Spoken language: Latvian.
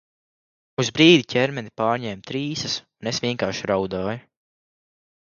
Uz brīdi ķermeni pārņēma trīsas, un es vienkārši raudāju.